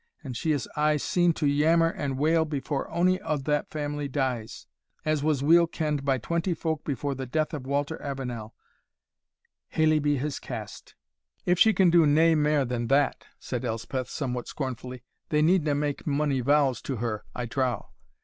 And she is aye seen to yammer and wail before ony o' that family dies, as was weel kend by twenty folk before the death of Walter Avenel, haly be his cast!" "If she can do nae mair than that," said Elspeth, somewhat scornfully, "they needna make mony vows to her, I trow.